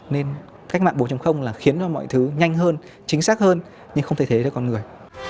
nên cách mạng bốn là khiến mọi thứ nhanh hơn chính xác hơn nhưng không thể thay thế được con người